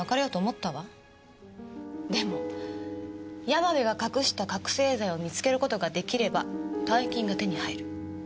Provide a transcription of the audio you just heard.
でも山部が隠した覚せい剤を見つけることができれば大金が手に入る。